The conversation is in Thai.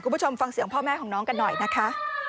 คุณผู้ชมฟังเสียงพ่อแม่ของน้องกันหน่อยนะคะ